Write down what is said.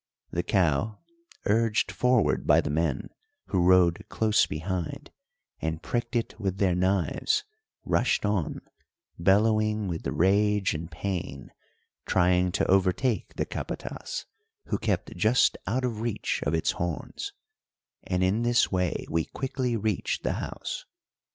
The cow, urged forward by the men, who rode close behind, and pricked it with their knives, rushed on, bellowing with rage and pain, trying to overtake the capatas, who kept just out of reach of its horns; and in this way we quickly reached the house.